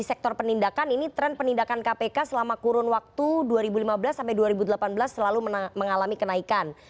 sektor penindakan ini tren penindakan kpk selama kurun waktu dua ribu lima belas sampai dua ribu delapan belas selalu mengalami kenaikan